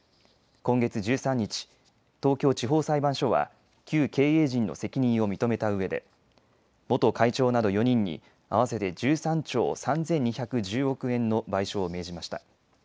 今月１３日、東京地方裁判所は旧経営陣の責任を認めたうえで元会長など４人に合わせて１３兆３２１０億円の賠償を命じました。